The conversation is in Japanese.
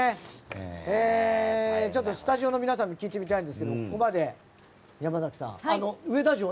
ちょっとスタジオの皆さんにも聞いてみたいんですけれどもここまで山崎さん、上田城